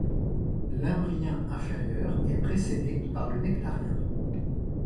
L'imbrien inférieur est précédée par le Nectarien.